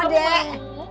adek mau dek